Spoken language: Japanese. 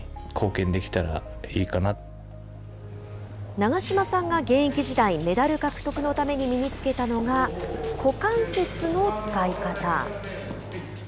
長島さんが現役時代メダル獲得のために身につけたのが股関節の使い方。